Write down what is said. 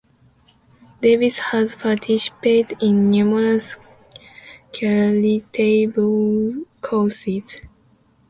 Davis has participated in numerous charitable causes.